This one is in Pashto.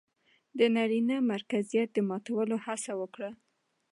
د نرينه مرکزيت د ماتولو هڅه وکړه